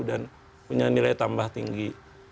dan punya nilai tambah tinggi